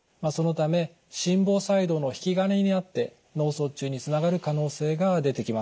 そのため心房細動の引き金になって脳卒中につながる可能性が出てきます。